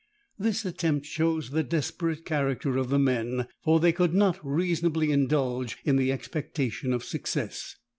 This attempt shows the desperate character of the men; for they could not reasonably indulge in the expectation of success.